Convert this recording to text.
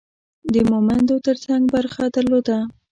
د مومندو ترڅنګ برخه درلوده.